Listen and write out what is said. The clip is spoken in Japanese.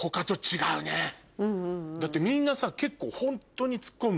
だってみんなさ結構。